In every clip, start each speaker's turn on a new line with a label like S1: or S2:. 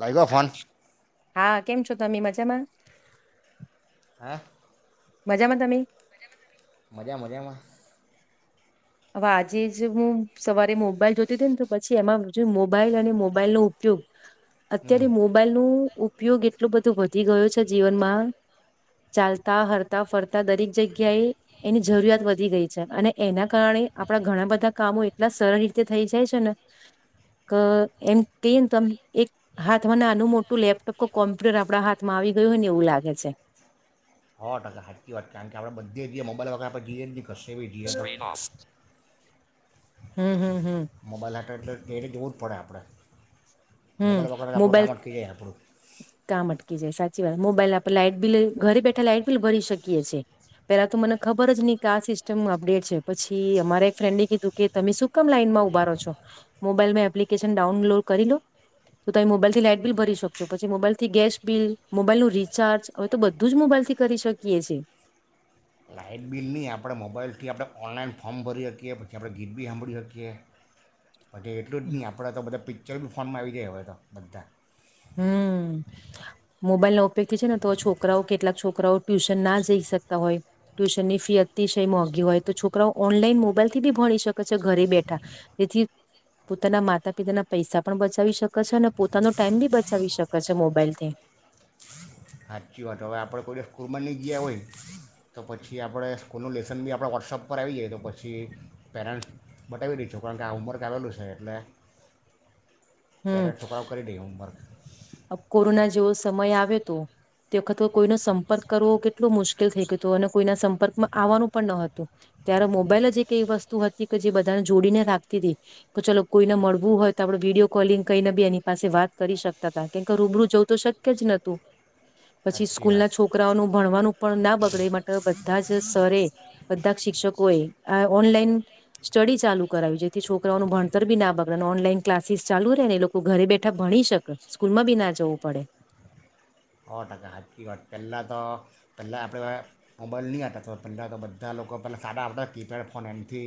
S1: લાઈગો phone?
S2: હા કેમ છો તમે મજામાં?
S1: હા
S2: મજામાં તમે?
S1: મજા મજામાં.
S2: હવે આજે જ હું સવારે મોબાઈલ જોતી તી ને તો પછી એમાં જો મોબાઈલ અને મોબાઈલનો ઉપયોગ
S1: હમ
S2: અત્યારે મોબાઈલનું ઉપયોગ એટલો બધો વધી ગયો છે જીવનમાં ચાલતા હરતા ફરતા દરેક જગ્યાએ એની જરૂરિયાત વધી ગઈ છે અને એના કારણે આપણા ઘણા બધા કામો એટલા સરળ રીતે થઈ જાય છે ને ક એમ કહી ને તોમ એક હાથમાં ના નાનું મોટું લેપટોપ કે કોમ્પ્યુટર આપણા હાથમાં આવી ગયું હોય ને એવું લાગે છે.
S1: હો ટકા હાચી વાત કારણ કે આપડે બધે જીએ મોબાઈલ વગર આપે જીએ જ નહીં, કશે બી જીએ
S2: હમ હમ હમ
S1: મોબાઈલ હટે એટલે એ જ ટીવી દૂર પડે આપણે
S2: હમ
S1: મોબાઈલ વગર આપણું
S2: મોબાઈલ
S1: કામ અટકી જાય આપણું
S2: કાામ અટકી જાય સી વા મોબાઈલ આપે લાઈટ બિલ ઘરે બેઠા લાઈટ બિલ ભરી શકીએીએ પેલા તો મને ખબર જ નહી કે આ સિસ્ટમ અપડેટ છે પછી અમારા એક ફ્રેન્ડે કીધું કે તમે શું કમ લાઈનમાં ઉભારો છો મોબાઈલમાં એપ્લિકેશન ડાઉનલોડ કરી લો તો તમે મોબાઈલથી લાાઈટ બિલ ભરી શકશો પછી મોબાઈલથી ગેસ બિલ મોબાઈલનુંું રિચાર્જ હવે તો બધું જ મોબાઈલથી કરી શકીએ છે
S1: ની આપણે મોબાઈલથી આપણે ઓનલાઈન ફોર્મ ભરી શકીએ પછી આપણે ગીત બી સાંભળી શકીએ પછ એટલું જ નહીં આપણા તો બધા પ ચાલો બ ફોનમાં આવી ગયા હોવે તો બધા
S2: હમ મોબાઈલ ના ઉપયોગથી છે ને તો છોકરાઓ કેટલાક છોકરાઓ ટ્યુશન ના જઈ શકતા હોય ટ્યુશનની ફી અતિશય મોંઘી હોય તો છોકરાઓ ઓનલાઈન મોબાઈલ થી બી ભણી શકે છે ઘરે બેઠા જેથી પોતાના માતા પિતાના પૈસા પણ બચાવી શકે છે અને પોતાનો ટાઈમ બી બ ચવી શકે છે મોબાઈલથી
S1: સાચી વાત હવે આપણે કોઈ દિવસ સ્કૂલમાં નહીં ગયા હોય તો પછી આપણે સ્કૂલનું લેસન બી આપણે વોટ્સઅપ પર આવી જઈએ તો પછી પેરેન્ટ્સ બતાવી દહીશું કારણ કે આ હમવર્ક આવેલું છે એટલે
S2: હમ
S1: પહેલા છઠુકરાાવ કરી દઈ હોમવર્ક
S2: કોરોના જેવો સમય આવ્યો હતો તે વખત કોઈનો સંપર્ક કરવો કેટલો મુશ્કેલ થઈ ગયું હતો અને કોઈના સંપર્કમાં આવવાનું પણ ન હતું ત્યારે મોબાઈલ જ એક એવી વસ્તુ હતી કે જે બધાને જોડીને રાખતી હતી કે ચલો કોઈને મળવું હોય તો આપણે વિડીિયો કોલિંગ કઈને બી એની પાસે વાત કરી શક કે રૂબરૂ જવું તો શક્ય જ નતું પછી
S1: સાચી
S2: સ્કૂલ
S1: વાત
S2: ના છોકરાઓ નું ભણવાનું પણ ના બ એ માટે બધા જ સ્રે બધા શિક્ષકો એ આ ઓનલાઈન સ્ટડી ચાલુ કરાવી જેથી છોકરાઓનું ભણતર બી ના બગડે ઓનલાઈન ક્લાસીસ ચાલુ રહે ને એ લોકો ઘરે બેઠા ભણી શકે સ્કૂલમાં બી ના જવું પડે
S1: સો ટકા સાચી વાત પહેલાં તો પહેલા આપણે મોબાઈલ નહીં આવ હતા તો પહેલાં તો બધા લોકો પહેલા સારા આપતા કીપેડ ફોન એમથી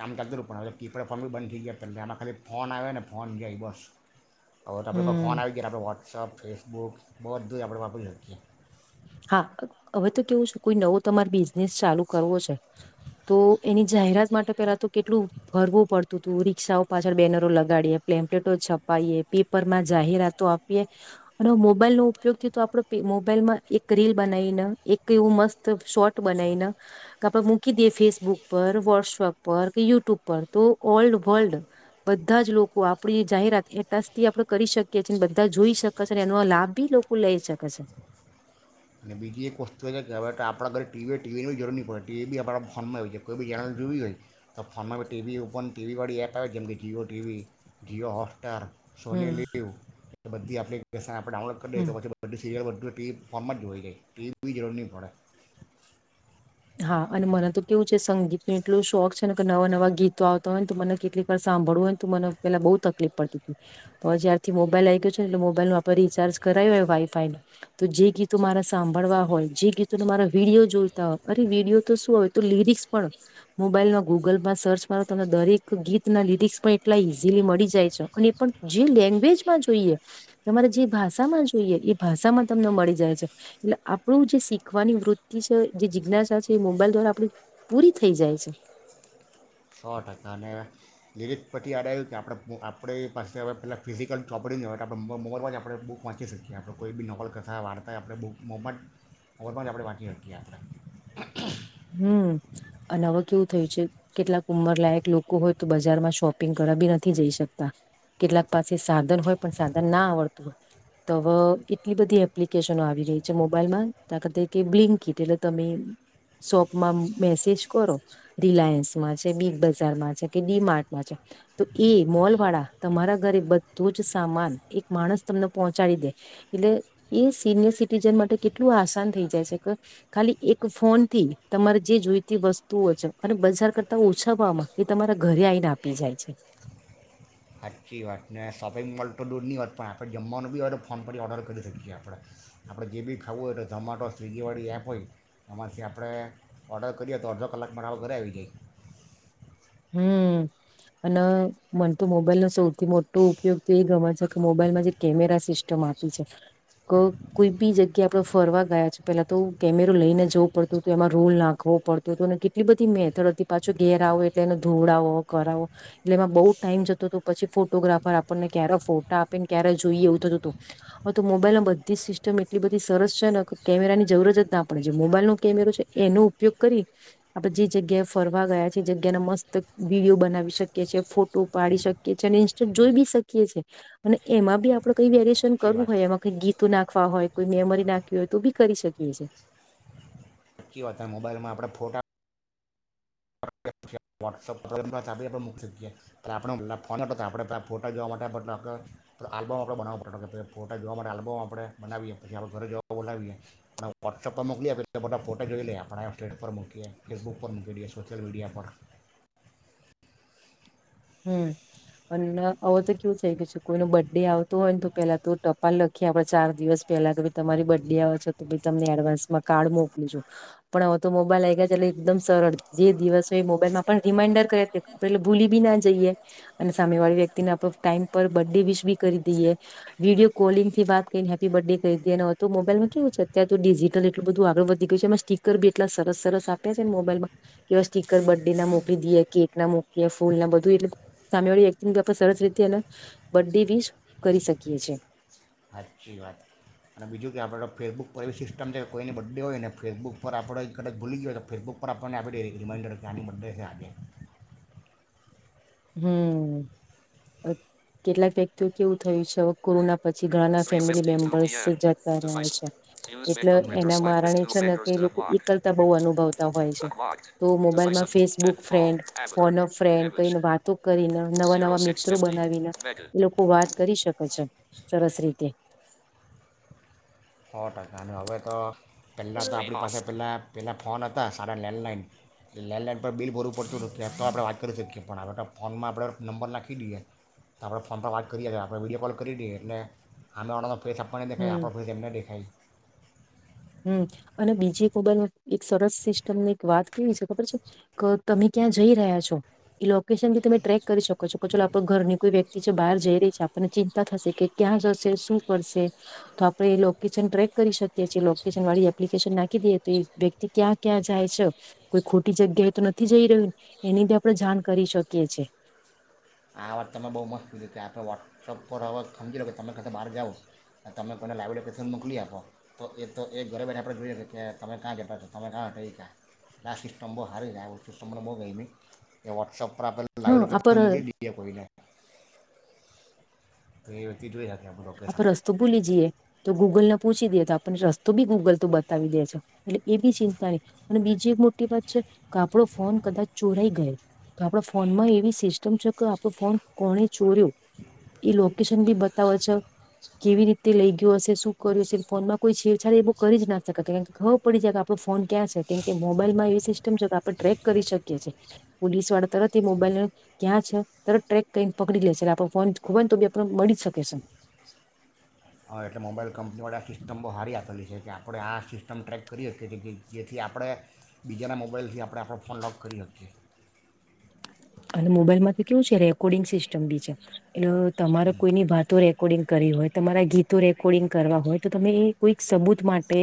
S1: કામ કરતા ર પણ કીપેડ ફોન બી બંધ થ ગયા પહેલા એમાં ખાલી ફોન આવે ને ફોન જાય બસ આપણે પર ફોન
S2: હમ
S1: આવી ગયા આપણે વ્ોટ્સઅપ ફેસ બહુ બહ તો આપણે બાપે લડકીએ
S2: હા હવે તો કેવું છે કોઈ નવો તમારે બિઝનેસ ચાલુ કરવો છે તો એની જાહેરાત માટે પેલા તો કેટલું ફરવું પડતું હતું રિક્ષાઓ પાછળ બેનરો લગાડીએ પ્લેમ્પલેટો છપાવીએ પેપરમાં જાહેરાતો આપીએ અને મોબાઈલનોો ઉપયોગથી તો આપડ મોબાઈલમાં એક રીલ બનાવીને એક એવું મસ્ત શોટ બનાવીને કે આપડે મૂકી દઈએ ફેસબુક પર વોટ્સઅપ પર કે યુટ્યુબ પર તો ઓલ્ડ વર્લ્ડ બધા જ લોકો આપણી જાહેરાત એટ જથી આપડ કરી શકીએ છેએ બધા જોઈ શકે છે એનો લાભ બી લોકો લઈ શકે છે
S1: બીજી એક વસ્તુ એ છે કે હ આપણા ઘરે ટીવી ટીવીની જરૂર નહીં પડે ટીવી આપણા ફોનમાં હોય છે કોઈ બી ચેનલ જોવી હોય તો ફોનમાં બ ટીવી ઉપન ટીવીવાળી એપ આવે જેમ કે Jio TV Jio Hotstar Sony
S2: હું
S1: લીવ બધી આપ ક ડાઉનલોડ કરીએ તો પછી બ સીરલ બધું એ પી ફોર્મ જ જોઈ ગઈ ટીવીની જરૂર નહી પડે
S2: હા અને મને તો કેવું છે સંગીતનો એટલોું શોખ છે ને કે નવા નવા ગીતો આવતા હોય ને તો મને કેટલીક વાર સાંભળવું હોય તો મને પેલા બહુ તકલીફ પડતી હતી હવે જ્યારથી મોબાઈલ આવી ગયો છે ને એટલે મોબાઈલ નું આપણે રીચાર્જ કરાવી હોય વાઈફાઈ ન તો જે ગીતો મારે સાંભળવા હોય જે ગીતોને મારા વિડીિયો જોઈતા હોય અરે વિડીિયો તો શું હોય તો લિર્સ પણ મોબાઈલમાં ગૂગલમાં સર્ચ મા તમને દરેક ગીત ના લિરિક્સ પણ એટલા ઈઝીલી મળી જાય છે અને પણ જે લેંગ્વેજમાં જોઈએ તમારે જે ભાષામાં જોઈએ એ ભાષામાં તમને મળી જાય છે એટલે આપણું જે શીખવાની વૃત્તિ છે જે અઞ છે એ મોબાઈલ દ્વારા આપડી પૂરી થઈ જાય છે
S1: સો ટકા અને લીરી પછી આાર આવ્યું કે આપણે આપણી પાસે હવે પેલાં ફિઝિકલ ચોપડી નહી હોય તો આપણે મોબલમાં જ આપણે બુક વાંચી શકીએ આપણે કોઈ બી નોકલ કથા વાર્તાય આપણે બુક મોમાં જ મોબલમાં જ આપણે વાંચી શકીએ આપણે
S2: હમ અને હવે કેવું થયું છે કેટલાક ઉંમર લાયક લોકો હોય તો બજારમાં શોપિંગ કરવા બી નથી જઈ શકતા કેટલાક પાસે સાધન હોય પણ સાધન ના આવડતું હોય તો હવે એટલી બધી એપ્લિકેશનો આવી રહી છે મોબાઈલમાંખ કે બ્લિંકટ એટલે તમે શોપમાં મેસેજ કરો રિલાયન્સમાં છે બીગ બજારમાં છે કે ડી માર્ટમાં છે તો એ મોલ વાળા તમારા ઘરે બધું જ સામાન એક માણસ તમને પહોંચાડી દે એટલે એ સિનિયર સિટીઝન માટે કેટલું આસાન થઈ જાય છે કે ખાલી એક ફોન થી તમારે જે જોઈતી વસ્તુઓ છે અને બજાર કરતા ઓછાવામાં એ તમારા ઘરે આવીઈને આપી જાય છે
S1: સાચી વાતને શોપિંગ મોૉલ તો દૂર નહીં હોત પણ આપણે જમવાનું બી હોય તો ફોન પર ઓર્ડર કરી શકીએ આપણે આપણે જે બી ખાવું હોય તો ઝોમેટો સ્વિગીવાળી એપ હોય એમાંથી આપણે ઓર્ડર કરીએ તો અડધો કલાકમાં આવો ઘરે આવી જાય
S2: હમ અને મને તો મોબાઈલનો સૌથી મોટો ઉપયોગ તો એ ગમે છે કે મોબાઈલમાં જે કેમેરા સિસ્ટમ આપી છે કે કોઈ બી જગ્યાએ આપડ ફરવા ગયા છે પેલા તો કેમેરો લઈને જવો પડતો હત એમાં રોલ નાખવો પડતો હતો અને કેટલી બધી મેથડ હતી પાછો ઘેર આવો એટલે એને ધોડાવો કરાવો એટલે એમાં બઉુ ટાઈમ જતો હતો પછી ફોટોગ્રાફર આપણને ક્યારે ફોટા આપે ને ક્યારે જોઈએ એવું થતું હતું હવે તો મોબાઈલમાં બધી સિસ્ટમ એટલી બધી સરસ છે ને કે કેમેરા ની જરૂરત જ ના પડે જે મોબાઈલનોો કેમેરો છે એનો ઉપયોગ કરી આપણે જે જગ્યાએ ફરવા ગયાી્યા ્યા મસ્ત વિડીયો બનાવી શકીએ છી ફોટો પાડી શકીએી અને ઇન્સ્ટા જોઈ બી શકીએીએ અને એમાં બી આપડે કઈ વેરએેશન
S1: સાચી
S2: કરું
S1: વાત
S2: હો ગીત તું નાખવા હોય કોઈ મેમરી નાખવી હોય તો બી કરી શકીએ છે.
S1: કી વાત મોબાઈલમાં આપણેે ફોટા વોટ્સપકીકીએ પ આપ ફો આપણે ફોટા જોવા માટે આલ્બમ આપ બ ફોટા જોવા માટેલ્બમ આપણે બનાવીએ પછી આપો ઘરે જ બોલાવીએ આપણે વોટ્સએપ પર મોકલી આપ પે એલે બધા ફોટો જોઈ લઈ આપણે સેટ પર મકીએ ફેસબુક પર મૂકી દઈએ સોશિયલ મીડિયા પર
S2: હમ્મ અને હો તો કેવું થઈ ગ છે કોઈનો બર્થડે આવતો હોય ને તો પેલા તો ટપાલ લખીએ આપડે ચાર દિવસ પેલા કે ભ તમારી બર્થ ડે આવે છો તો તમને એડવાન્સમાં કાર્ડ મોકલું છું પણ હો તો મોબાઈલ આવી ગયા છેટલે એકદમ સરળ જે દિવસ હોય એ મોબાઈલમાં પણ રિમાઈન્ડર કરે આપે એટલે ભૂલી બી ના જઈએ અને સામે વાળી વ્યક્તિને આપડ ટાઈમ પર બર્થ ડે વિશ બી કરી દઈએ વિડીયો કોલિંગથીત કરીને હેપી બર્થ ડે કરી દઈએ તો મોબાઈલ માં કેવું છે અત્યારે તો ડિજિટલ એલું બધું આગળ વધી ગયું છે એમાં સ્ટીકર બી એટલા સરસ સરસ આપ્યા છે ને મોબાઈલમાં કે સ્ટીર બર્થ ડે ના મોકલી દઈએ કેક ના મોકલી ફૂલ ના બ દુ એલે સામે વાળી એક્ટિંગ આપણે સરસ રીતે એ બર્ ડે બી કરી શકીએ છે.
S1: સી વાત અને બીજું કે આપણે ફેસબુક પર એવી સિસ્ટમ છે કે કોઈ બડે હોય ને ફેસબુક પર આપણે એક કદચ ભૂલી ગઈ હો તો ફેસબુક પર આપણને આપે રિમાઈન્ડર કે આની બ ડે [unintelligible]
S2: હમ્મ કેટલાક વ્યક્તિઓ કેવું થયું છે હવે કોરોના પછ છી ઘણા ફેમિલી મેમ્બર્સ જતા રહે છે એટલે એના કારણે છે ને કે લોકો એકલતા બહુ અનુભવતા હોય છે. તો મોબાઈલમાં ફેસબુક ફ્રેન્ડ ફોનફ ફ્રેન્ડ કઈને વાત કરીને નવા નવા મિત્રો બનાવીને એ લોકો વાત કરી શકે છે સરસ રીતે.
S1: સો ટકા અને હવે તો પહેલાં તો આપણી પાસે પહેલાં પહેલાં ફોન હતા સારા લેન્ડલાઈન લેન્ડલાઈન પર બિલ ભરું પડતું નથીું એ તો આપણે વાત કરી શકીએ પણ હવે તો ફોનમાં આપણે નંબર નાખી દઈએ તો આપણે ફોન પર વાત કરીએ છીએ આપણે વિડીયો કોલ કરી દઈએ એટલે અમેનો. ફેસ આપણનેેાય
S2: હમ
S1: આપ એમને
S2: હમ અને બીજી એક મોબાઈલ એક સરસ સિસ્ટમની એક વાત કેવી છે ખબર છે કે તમે ક્યાં જઈ રહ્યા છો એ લોકેશન બી તમે ટ્રેક કરી શકો છો કે ચલો આપડો ઘરની કોઈ વ્યક્તિ છે બહાર જઈ રહી છે આપણને ચિંતા થશે કે ક્યાં જશે શું કરશે તો આપડણે એ લોકેશન ટ્રેક કરી શકીએ છેએ. એપ્લિકેશન નાખી દઈએ તો વ્યક્તિ ક્યાં ક્યાં જાય છે કોઈ ખોટી જગ્યાએ તો નથી જઈ રહ્યું એનીધ આપડ જાણ કરી શકીએ છે.
S1: આ વાત તમે બહુ મત લીધી ત આપે વોટ્સપ પર હવે સમજી લો કે તમે બહાર જાઓ તમે. કોઈને લાઇબ્રશન મોકલી આપો તો એ તો એ ઘરે બેઠા આપણે જોઈએ કે તમે કાં જતા છો તમે ક્યાંટ એ ક્યા આ સિસ્ટમ બહુ હારી એું સિસ્ટમને બહુ ગઈ મં એ વોટ્સઅપ આપ લાઈવ
S2: હા
S1: લો
S2: આ પર
S1: સમગ ડી કો તો એ વ્યક્તિ જોઈ આપણું લોકેશન
S2: આપણે રસ્તો ભૂલી જઈએ તો ગૂગલ ન પૂછી દે તો આપણને રસ્તો બી ગૂગલ તો બતાવી દે છે એટલે એ બ ચિંતા નહી અને બીજી એક મોટી વાત છે કે આપણો ફોન કદાચ ચોરા ગયો તો આપડ ફોનમાં એવી સિસ્ટમ છે કે આપણો ફોન કોને ચોર્યો એ લોકેશન બી બતાવે છે. કેવી રીતે લઇ ગયો હશે શું કર્યું છે ફોનમાં કોઈ છેડછાડી એ બહ કરી જ ના શકે કેમ ખબર પડી જાય કે આપણો ફોન ક્યાં છે કેમ કે મોબાઈલમાં એવી સિસ્ટમ છે કે આપણે ટ્રેક કરી શકીએ છીએ પોલીસ વાળા તરત એ મોબાઈલ ક્યાં છે તરત ટ્રેક કરીને પકડી લે છે આપો ફોન ખોબને તો બી આપણ મળી જ શકે છે.
S1: એટલે મોબાઈલ કંપનીવાળી આ સિસ્ટમ બહુ હારી આપલી છે કે આપણે આ સિસ્ટમ ટ્રેક કરી શકીએ છી જેથી આપણે બીજાના મોબાઈલથી આપણે આપણો ફોન લોક કરી શકીએ.
S2: અને મોબાઈલમાં તો કેવું છે રેકોર્ડિંગ સિસ્ટમ બી છે એટલે તમારે કોઈની વાતો રેકોર્ડિંગ કરીવી હોય તમારા ગીતો રેકોર્ડિંગ કરવા હોય તો તમે કોઈક સબૂત માટે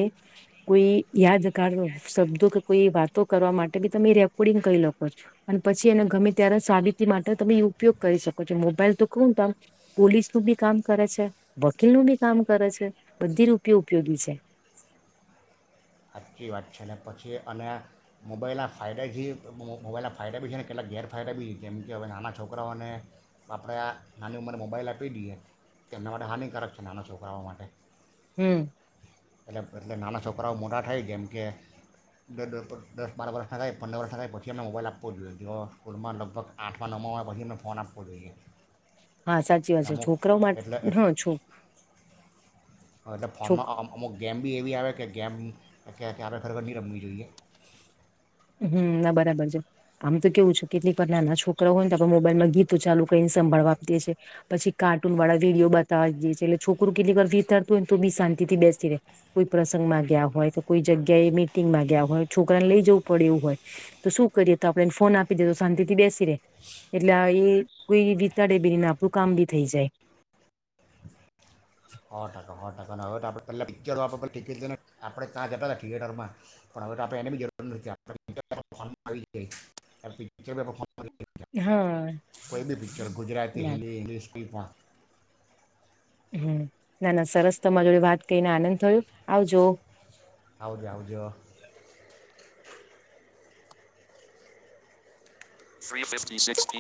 S2: કોઈ યાદગાર શબ્દો કે કોઈ વાતો કરવા માટે બી તમે રેકોર્ડિંગ કરી લખ છો અને પછી એને ગમે ત્યારે સાવિતી માટે તમે ઉપયોગ કરી શકો છો મોબાઈલ તો કું તામ પોલીસ નું બી કામ કરે છે વકીલનું બી કામ કરે છે બધી રૂપયો ઉપયોગી છે
S1: સાચી વાત છે ને પછી અને મોબાઈલના ફાયદાથી મોબાઈલના ફાયદા બી છે ને કેટલાક ગેરફાયદા બી જેમ કે હવે નાના છોકરાઓને આપણે આ નાની ઉંમરે મોબાઈલ આપી દઈએ તો એમના માટે હાનિકારક છે નાના છોકરાઓ માટે.
S2: હમ
S1: એના કરતા નાના છોકરા મો થાય જેમ કે દ દસ બાર વર્ષના થાય પંદર વર્ષના થાય પછી અને મોબાઈલ આપવો જોઈએ તો સ્કૂલમાં લગભગ આઠમાં નવમાં વા પછી અને ફોન આપવો જોઈએ.
S2: હા સાચી વાત છે
S1: અમુક
S2: છોકરાઓ માટે
S1: એટલે
S2: હ છોક
S1: એટલે ફોનમાંમ અમુ ગેમ બ એવી આવે ગ આપણે ખરેખર નહી રમી જોઈએ.
S2: હમ્મ ના બરાબર છે આમ તો કેવું છે કેટલીક વાર નાના છોકરા હોય તો આપણે મોબાઈલમાં ગીતો ચાલુ કરીને સંભાળવા આપીએ છીએ પછી કાર્ટૂન વાળા વિડીયો બતાવી દઈ છીએ એટલે છોકરું કેટલી વાર વિતાડતું હોય ને તો બી શાંતિથી બેસી રહે કોઈ પ્રસંગમાં ગયા હોય તો કોઈ જગ્યાએ મીટિંગમાં ગયા હોય છોકરા ને લઈ જવું પડે એવું હોય તો શું કરીએ તો આપને ફોન આપી દે તો શાંતિ થી બેસી રે એટલે એ કોઈ વિતાડે બીને આપણું કામ બી થઈ જાય
S1: હો ટકા હવે તો આપણે પહેલા પિક્ચરો આપણે પીને આપણે ત્યાં જતા હતા થિયેટરમાં પણ હવે તો આપણે એને બી
S2: હા
S1: [unintelligible] પહેલી પિક્ચર ગુજરાતી
S2: ના
S1: હિન્દી ઈંગ્લિશ એ રીતના
S2: હમ. ના ના સરસ તમાર જોડે વાત કરીને આનંદ થયો. આવજો.
S1: આવજે આવજો. Three, fifty, sixty